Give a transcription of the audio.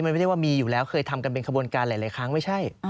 มันไม่ได้ว่ามีอยู่แล้วเคยทำกันเป็นขบวนการหลายครั้งไม่ใช่